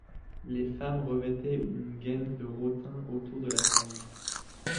Les femmes revêtaient une gaine de rotin autour de la taille.